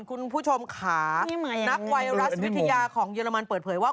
คุณผู้ชมค่ะนักไวรัสวิทยาของเยอรมันเปิดเผยว่า